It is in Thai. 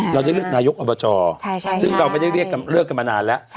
เราได้เลือกนายกอบจซึ่งเราไม่ได้เลือกกันมานานแล้ว